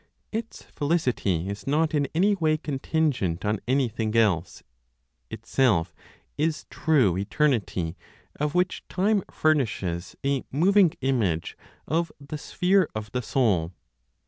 Its felicity is not in any way contingent on anything else; itself is true eternity, of which time furnishes a moving image of the sphere of the soul.